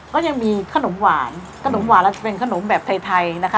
ก็ยังมีขนมหวานขนมหวานเราจะเป็นขนมแบบไทยนะคะ